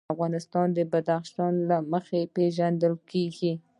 افغانستان د بدخشان له مخې پېژندل کېږي.